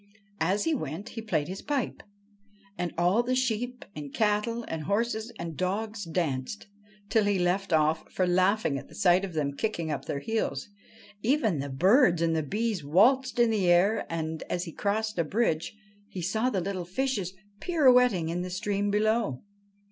As he went he played his pipe, and all the sheep and cattle and horses and dogs danced, till he left off for laughing at the sight of them kicking up their heels. Even the birds and the bees waltzed in the air, and, as he crossed a bridge, he saw the little fishes pirouetting in the stream below.